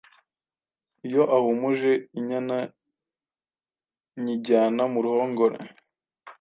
Iyo ahumuje inyana nyijyana mu ruhongore.